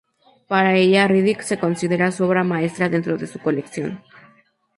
Para ella Riddick se considera su obra maestra dentro de su colección.